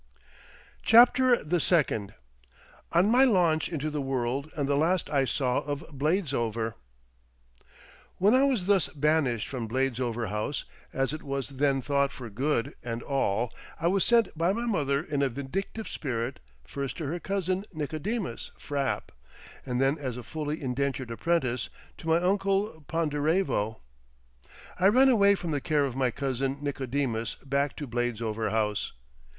CHAPTER THE SECOND OF MY LAUNCH INTO THE WORLD AND THE LAST I SAW OF BLADESOVER I When I was thus banished from Bladesover House, as it was then thought for good and all, I was sent by my mother in a vindictive spirit, first to her cousin Nicodemus Frapp, and then, as a fully indentured apprentice, to my uncle Ponderevo. I ran away from the care of my cousin Nicodemus back to Bladesover House.